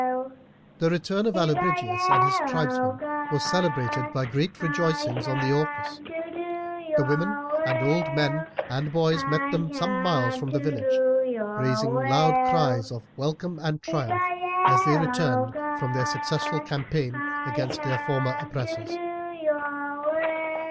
The return of Allobrigius and his tribesmen was celebrated by great rejoicings on the Orcus. The women and old men and boys met them some miles from the village, raising loud cries of welcome and triumph as they returned from their successful campaign against their former oppressors.